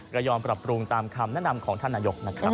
ก็ยอมปรับปรุงตามคำแนะนำของท่านนายกนะครับ